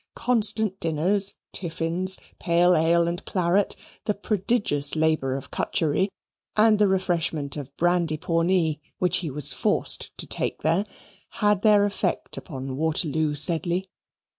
Constant dinners, tiffins, pale ale and claret, the prodigious labour of cutcherry, and the refreshment of brandy pawnee which he was forced to take there, had their effect upon Waterloo Sedley.